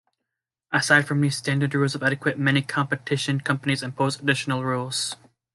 Aside from these standard rules of etiquette, many competition companies impose additional rules.